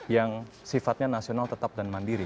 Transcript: yang sifatnya nasional tetap dan mandiri